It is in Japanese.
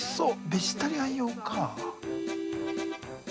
ベジタリアン用か。